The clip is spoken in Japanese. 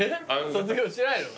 卒業しないの？